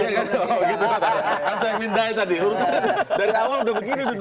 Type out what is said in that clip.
kan saya minta tadi dari awal udah begini duduknya